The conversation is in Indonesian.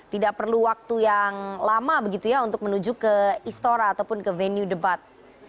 tidak perlu waktu yang lama begitu ya untuk menuju ke istora ataupun ke venue debat